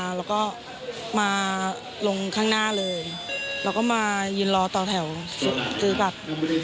มาแล้วก็มาลงข้างหน้าเลยแล้วก็มายืนรอต่อแถวสุขศึกษาปรับ